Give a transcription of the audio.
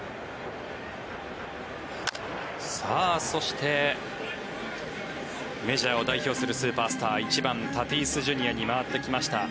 そして、メジャーを代表するスーパースタータティスＪｒ．に回ってきました。